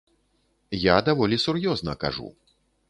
Я даволі сур'ёзна кажу.